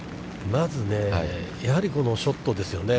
まず、やはりこのショットですよね。